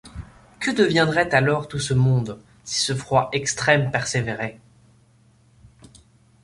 Que deviendrait alors tout ce monde, si ce froid extrême persévérait?